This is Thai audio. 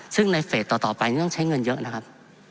ซึ่งในเฟสต่อไปนี่ต้องใช้เงินเยอะนะครับ